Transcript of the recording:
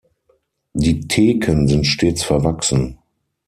Die Theken sind stets verwachsen.